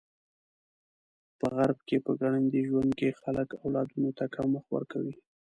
په غرب کې په ګړندي ژوند کې خلک اولادونو ته کم وخت ورکوي.